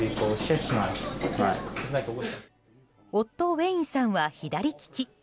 夫ウェインさんは左利き。